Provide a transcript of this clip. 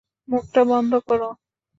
মুখটা বন্ধ করো।